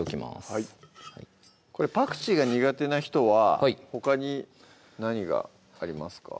はいパクチーが苦手な人はほかに何がありますか？